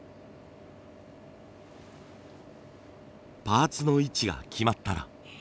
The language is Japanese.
パーツの位置が決まったら。